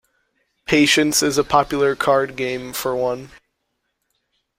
Patience is a popular card game for one